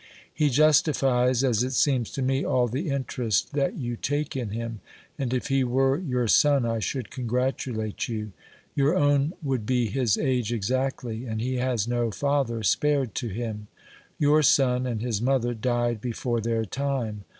He justifies, as it seems to me, all the interest that you take in him ; and if he were your son, I should congratulate you. Your own would be his age exactly, and he has no father spared to him! Your son and his mother died before their time.